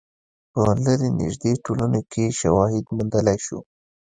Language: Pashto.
په لرې نژدې ټولنو کې شواهد موندلای شو.